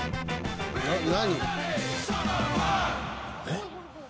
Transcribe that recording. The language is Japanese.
「えっ？」